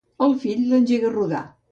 El fill l'engega a rodar.